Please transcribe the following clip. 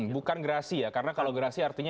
bukan gerasi ya karena kalau gerasi artinya